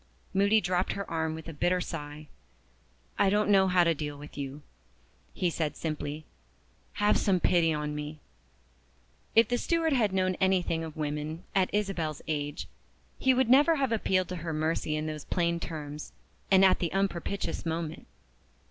Moody dropped her arm with a bitter sigh. "I don't know how to deal with you," he said simply. "Have some pity on me!" If the steward had known anything of women (at Isabel's age) he would never have appealed to her mercy in those plain terms, and at the unpropitious moment.